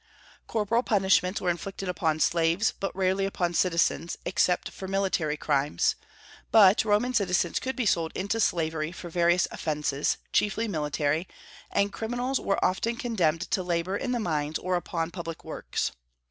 Corporal punishments were inflicted upon slaves, but rarely upon citizens, except for military crimes; but Roman citizens could be sold into slavery for various offences, chiefly military, and criminals were often condemned to labor in the mines or upon public works.